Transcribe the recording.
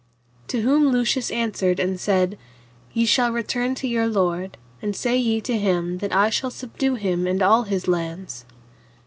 To whom Lucius answered and said, Ye shall return to your lord, and say ye to him that I shall subdue him and all his lands.